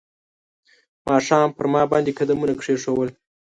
ماښام پر ما باندې قدمونه کښېښول